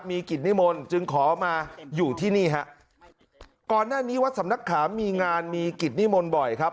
มีกิจนิมนต์จึงขอมาอยู่ที่นี่ฮะก่อนหน้านี้วัดสำนักขามมีงานมีกิจนิมนต์บ่อยครับ